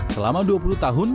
selama dua puluh tahun